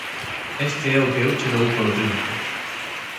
Este é o que eu che dou polo triunfo.